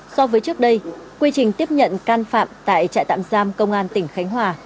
so với trước đây quy trình tiếp nhận can phạm tại trại tạm giam công an tỉnh khánh hòa